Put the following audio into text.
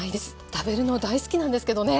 食べるの大好きなんですけどね。